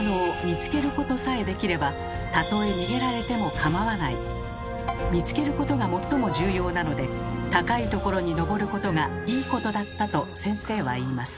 つまり「見つけること」が最も重要なので高いところにのぼることが「いいこと」だったと先生は言います。